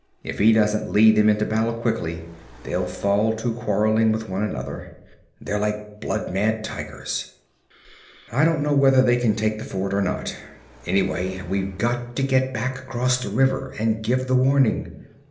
If he doesn't lead them into battle quickly, they'll fall to quarreling with one another. They're like blood mad tigers. 'I don't know whether they can take the fort or not. Anyway, we've got to get back across the river and give the warning.